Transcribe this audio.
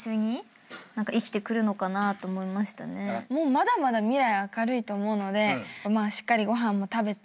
まだまだ未来明るいと思うのでしっかりご飯も食べて。